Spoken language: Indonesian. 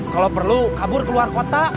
kalau perlu kabur keluar kota